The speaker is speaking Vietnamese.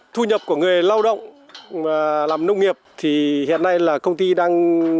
thu nhập của người lao động làm nông nghiệp thì hiện nay là công ty đang